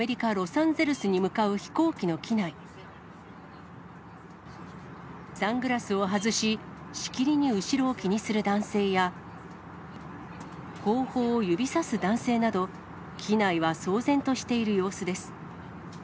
サングラスを外し、しきりに後ろを気にする男性や、後方を指さす男性など、機内は騒然としている様子です。